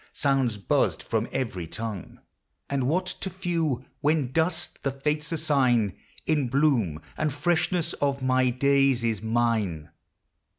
" sounds buzzed from every tongue ; And what to few, when dust, the Fates assign, In bloom and freshness of my days is mine.